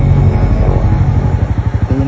ตรงไหนขึ้น